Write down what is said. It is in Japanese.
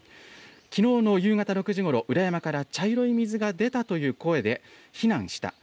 きのうの夕方６時ごろ、裏山から茶色い水が出たという声で避難した。